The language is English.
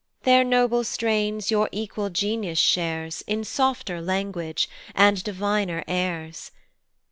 Their noble strains your equal genius shares In softer language, and diviner airs.